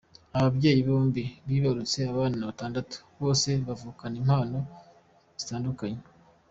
Aba babyeyi bombi bibarutse abana batandatu bose bavukanye impano zitandukanye.